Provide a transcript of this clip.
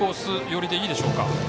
寄りでいいでしょうか。